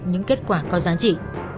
những kết quả có giá trị